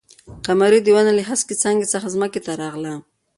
قمري د ونې له هسکې څانګې څخه ځمکې ته راغله.